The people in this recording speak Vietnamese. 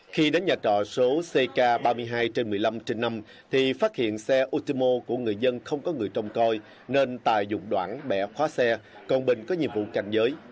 khi đến nhà trọ số ck ba mươi hai trên một mươi năm trên năm thì phát hiện xe ô tô của người dân không có người trông coi nên tài dụng đoạn bẻ khóa xe còn bình có nhiệm vụ cảnh giới